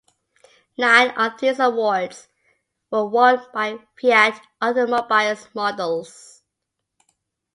Nine of these awards were won by Fiat Automobiles models.